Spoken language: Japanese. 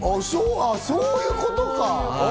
そういうことか。